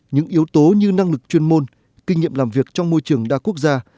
những yếu tố như năng lực chuyên môn kinh nghiệm làm việc trong môi trường đa quốc gia